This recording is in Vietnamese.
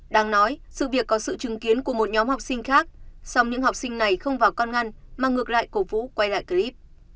đang nói sự việc có sự chứng kiến của một nhóm học sinh khác song những học sinh này không vào con ngăn mà ngược lại cổ vũ quay lại clip